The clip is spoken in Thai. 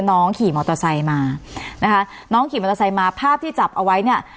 ขี่มอเตอร์ไซค์มานะคะน้องขี่มอเตอร์ไซค์มาภาพที่จับเอาไว้เนี่ย